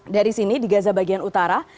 dari sini di gaza bagian utara